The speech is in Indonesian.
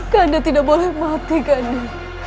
kanda tidak boleh mati kanda